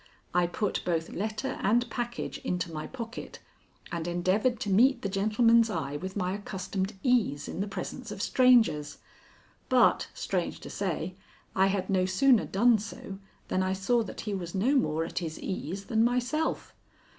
I put both letter and package into my pocket and endeavored to meet the gentleman's eye with my accustomed ease in the presence of strangers. But, strange to say, I had no sooner done so than I saw that he was no more at his ease than myself.